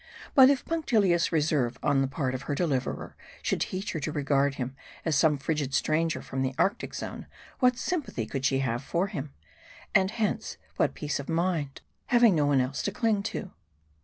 But if punctilious reserve on the part of her deliverer should teach her to regard him as some frigid stranger from the Arctic Zone, what sympathy could she have for him ? and hence, what peace of mind, having no one else to cling to